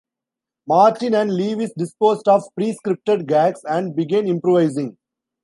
Martin and Lewis disposed of pre-scripted gags and began improvising.